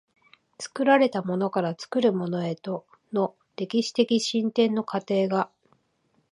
作られたものから作るものへとの歴史的進展の過程が、